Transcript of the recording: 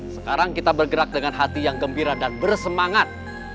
sekarang kita bergerak dengan hati yang gembira dan bersemangat